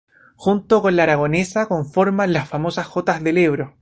Junto con la aragonesa conforman las famosas jotas del Ebro.